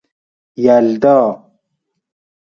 یلدا